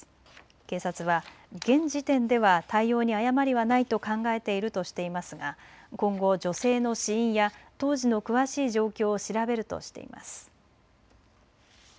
警察は現時点では対応に誤りはないと考えているとしていますが今後、女性の死因や当時の詳しい状況を調べるとしています。